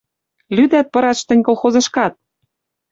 Лӱдӓт пыраш тӹнь колхозышкат!» —